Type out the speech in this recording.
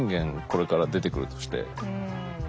これから出てくるとして。